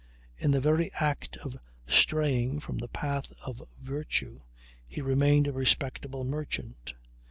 In the very act of straying from the path of virtue he remained a respectable merchant.